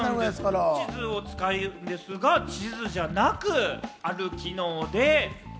地図を使うんですが地図じゃなく、ある機能で。